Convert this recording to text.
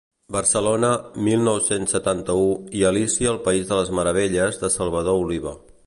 Barcelona, mil nou-cents setanta-u i Alícia al país de les meravelles de Salvador Oliva.